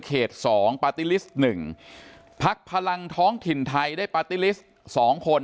สองปาร์ตี้ลิสต์๑พักพลังท้องถิ่นไทยได้ปาร์ตี้ลิสต์สองคน